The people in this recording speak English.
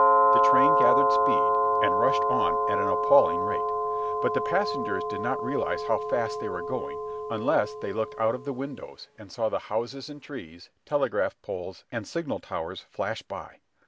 The train gathered speed and rushed on at an appalling rate, but the passengers did not realise how fast they were going unless they looked out of the windows and saw the houses and trees, telegraph poles, and signal towers flash by.